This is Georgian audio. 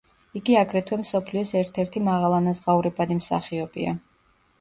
იგი აგრეთვე მსოფლიოს ერთ-ერთი მაღალანაზღაურებადი მსახიობია.